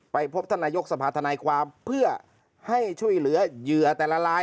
พบท่านนายกสภาธนายความเพื่อให้ช่วยเหลือเหยื่อแต่ละลาย